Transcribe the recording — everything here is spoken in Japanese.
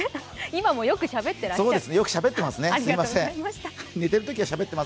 今もよくしゃべってらっしゃる。